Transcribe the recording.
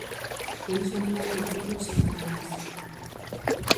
Por iso animan a todos a vacinarse.